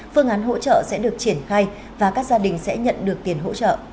phương án hỗ trợ sẽ được triển khai và các gia đình sẽ nhận được tiền hỗ trợ